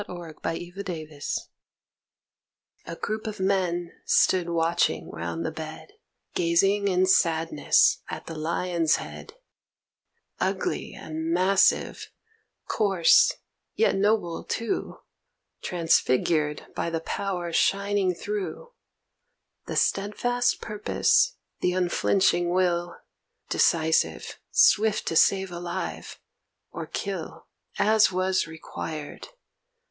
Oliver Cromwell A group of men stood watching round the bed, Gazing in sadness at the lion's head, Ugly and massive, coarse, yet noble, too, Transfigured by the power shining through, The steadfast purpose, the unflinching will, Decisive, swift to save alive, or kill, As was required.